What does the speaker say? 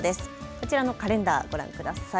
こちらのカレンダーご覧ください。